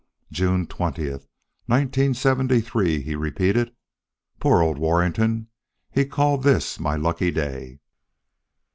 "June twentieth, nineteen seventy three," he repeated. "Poor old Warrington! He called this my lucky day!"